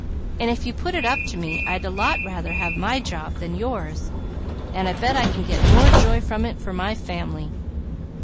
And if you put it up to me, I'd a lot rather have my job than yours; and I bet I get more joy from it for my family!"